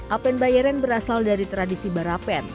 apen bayaran berasal dari tradisi barapen